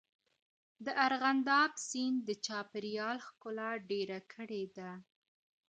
دارغنداب سیند د چاپېریال ښکلا ډېره کړې ده.